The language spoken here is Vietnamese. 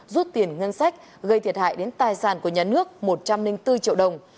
rút tiền ngân sách gây thiệt hại đến tài sản của nhà nước một trăm linh bốn triệu đồng